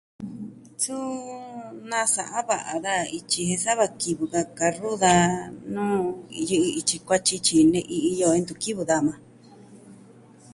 Suu nasa'a va'a daja ityi jen sava kivɨ da karru da nuu yɨ'ɨ ityi kuatyi tyi ne'i iyo jo ntu kivɨ daja majan.